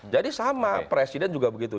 jadi sama presiden juga begitu